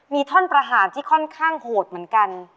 มีท่อนประหารที่ค่อนข้างโหดเหมือนกัน